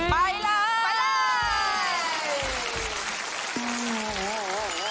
ไปเลย